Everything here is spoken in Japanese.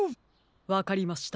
わかりました。